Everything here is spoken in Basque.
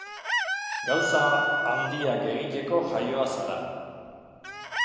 Gauza handiak egiteko jaioa zara.